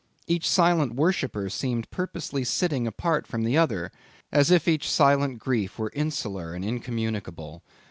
Each silent worshipper seemed purposely sitting apart from the other, as if each silent grief were insular and incommunicable.